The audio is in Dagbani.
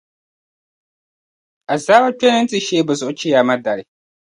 Azaaba kpeeni ni ti sheei bɛ zuɣu chiyaama dali.